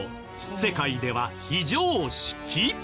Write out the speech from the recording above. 世界では非常識？